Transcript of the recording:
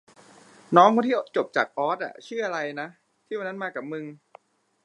น้องคนที่จบจากออสชื่ออะไรนะ ที่วันนั้นมากับมึง